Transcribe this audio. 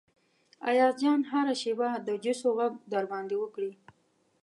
ایاز جان هره شیبه د جوسو غږ در باندې وکړي.